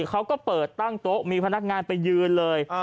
เขาก็เปิดตั้งโต๊ะมีพนักงานไปยืนเลย